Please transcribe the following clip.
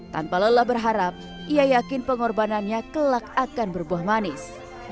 tanpa lelah berharap ia yakin pengorbanannya kelak akan berbuah manis